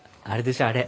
あれ。